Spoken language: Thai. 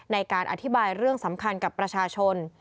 ในการอธิบายเรื่องสำคัญกับประชาชน